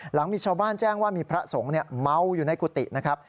หลังมีชาวบ้านแจ้งว่ามีพระสงฆ์เมาอยู่ในกุฏินะครับ